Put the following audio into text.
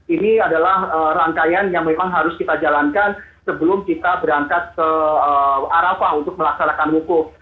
ini adalah rangkaian yang memang harus kita jalankan sebelum kita berangkat ke arafah untuk melaksanakan wukuf